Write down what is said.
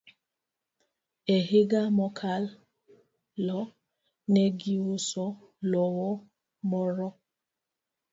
E higa mokalo, ne giuso lowo moro.